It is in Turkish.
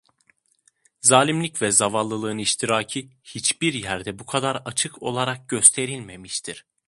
Zalimlik ve zavallılığın iştiraki hiçbir yerde bu kadar açık olarak gösterilmemiştir.